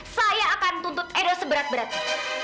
saya akan tuntut edo seberat beratnya